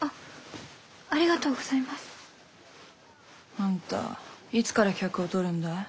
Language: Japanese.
あんたいつから客を取るんだい？